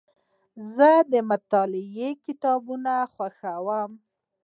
زه د مطالعې کتابونه خوښوم.